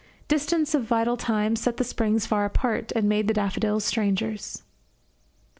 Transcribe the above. Distance of vital time set the springs far apart, and made the daffodils strangers.